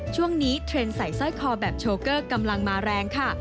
เทรนด์ใส่สร้อยคอแบบโชเกอร์กำลังมาแรงค่ะ